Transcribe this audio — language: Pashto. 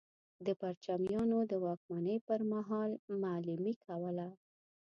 د پرچمیانو د واکمنۍ پر مهال معلمي کوله.